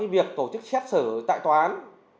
việc tổ chức xét xử tại toán